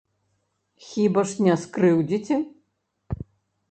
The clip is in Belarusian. Хіба ж не скрыўдзіце?